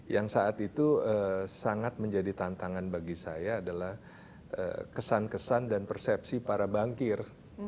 yang saat itu sangat menjadi tantangan bagi saya adalah kesan kesan dan persepsi para bankir